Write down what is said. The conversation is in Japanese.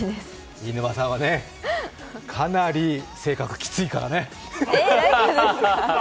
飯沼さんはかなり性格きついからね。